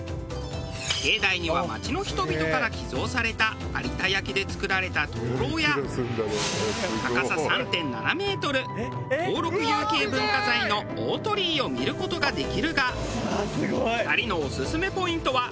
境内には町の人々から寄贈された有田焼で作られた灯籠や高さ３．７メートル登録有形文化財の大鳥居を見る事ができるが２人のオススメポイントは他にあるという。